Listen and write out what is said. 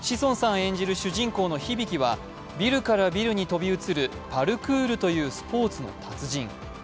演じる主人公のヒビキはビルからビルに飛び移るパルクールというスポーツの達人。